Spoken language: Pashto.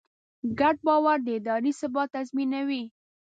ګډ باور د ادارې ثبات تضمینوي.